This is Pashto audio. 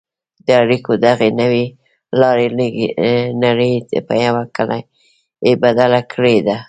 د اړیکو دغې نوې لارې نړۍ په یوه کلي بدله کړې ده.